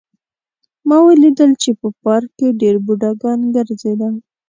ما ولیدل چې په پارک کې ډېر بوډاګان ګرځېدل